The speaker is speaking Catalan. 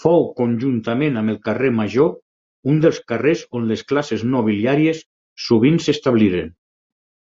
Fou conjuntament amb el carrer Major un dels carrers on les classes nobiliàries sovint s'establiren.